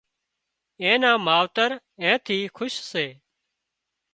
اين نان ماوتر اين ٿي کُش سي